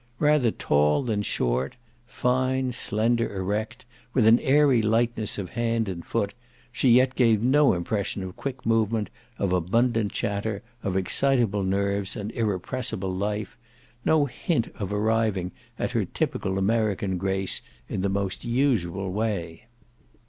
Rather tall than short, fine slender erect, with an airy lightness of hand and foot, she yet gave no impression of quick movement, of abundant chatter, of excitable nerves and irrepressible life no hint of arriving at her typical American grace in the most usual way.